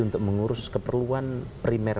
untuk mengurus keperluan primer